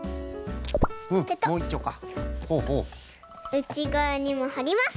うちがわにもはります。